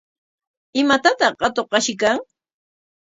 ¿Imatataq atuq ashiykan?